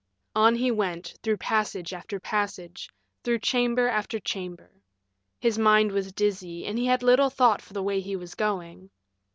On he went, through passage after passage, through chamber after chamber. His mind was dizzy, and he had little thought for the way he was going.